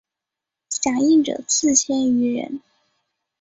响应者四千余人。